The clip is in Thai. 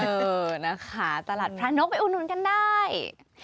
เออนะคะตลาดพระนกไปอุดหนุนกันได้